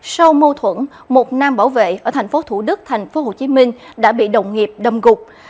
sau mâu thuẫn một nam bảo vệ ở tp thủ đức tp hcm đã bị đồng nghiệp đâm gục